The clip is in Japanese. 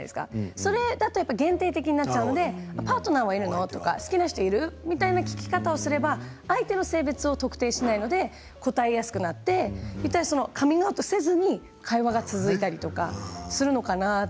それだと限定的になってしまうのでパートナーはいるの？とか好きな人いる？みたいな聞き方をすれば相手の性別を特定しないので答えやすくなってカミングアウトせずに会話が続いたりとかするのかなと。